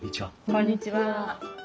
こんにちは。